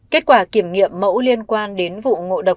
kết quả kiểm nghiệm mẫu liên quan đến vụ ngộ độc